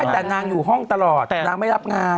แต่นางอยู่ห้องตลอดนางไม่รับงาน